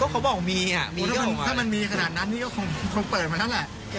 เขาบอกมีมีเรื่องถ้ามันมีขนาดนั้นนี่ก็คงเปิดมาแล้วแหละ